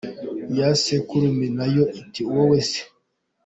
Ya sekurume na yo iti: wowe se????.